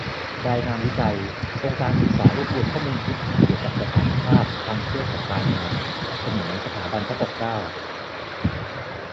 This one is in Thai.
รายงานวิจัย โครงการศึกษารวบรวมข้อมูลพื้นฐานเกี่ยวกับสถานภาพทางเพศกับการเมือง - เสนอ สถาบันพระปกเกล้า